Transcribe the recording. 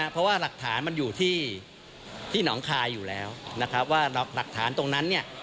เพราะว่าหลักฐานมันอยู่ที่หนองคายอยู่แล้วนะครับว่าหลักฐานตรงนั้นเนี่ย